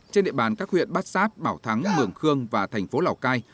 trên địa bàn các huyện bát sát bảo thắng mường khương và thành phố lào cai